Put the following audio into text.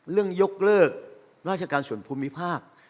เรื่องยกเลิกราชการส่วนภูมิภาค